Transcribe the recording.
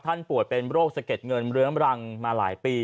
ท่านป่วยเป็นโรคเศรษฐ์เงินเวลาห้ำลังมาหลายปี